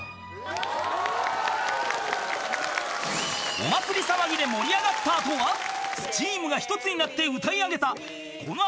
［お祭り騒ぎで盛り上がった後はチームが一つになって歌い上げたこのあと歌ってドン！